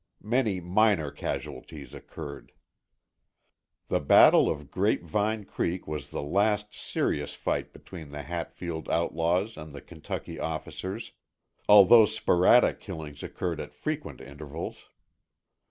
Many minor casualties occurred. The battle of Grape Vine Creek was the last serious fight between the Hatfield outlaws and the Kentucky officers, although sporadic killings occurred at frequent intervals.